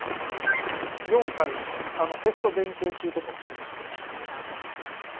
テスト勉強中とかはしてましたね。